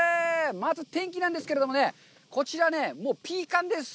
まず天気なんですけれどもね、こちらね、ピーカンです。